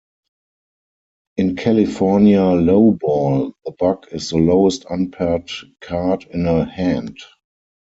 In California lowball, the bug is the lowest unpaired card in a hand.